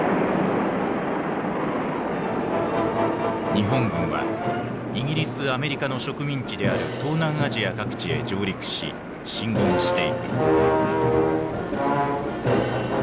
日本軍はイギリスアメリカの植民地である東南アジア各地へ上陸し進軍していく。